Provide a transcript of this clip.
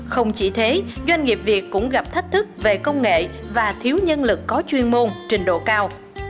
không chỉ thế doanh nghiệp việt cũng gặp thách thức về công nghệ và thiếu nhân lực có chuyên môn trình độ cao